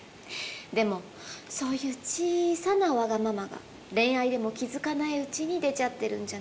でもそういう小さなワガママが恋愛でも気づかないうちに出ちゃってるんじゃないかな？